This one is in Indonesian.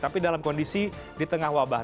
tapi dalam kondisi di tengah wabah